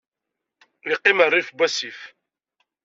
Yeqqim rrif n wasif.